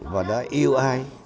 và đã yêu ai